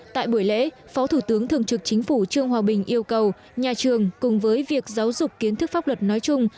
tại buổi lễ phó thủ tướng thường trực chính phủ trương hòa bình yêu cầu nhà trường cùng với việc giáo dục kiến thức pháp luật nói chung